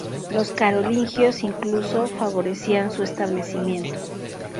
Los carolingios incluso favorecían su establecimiento.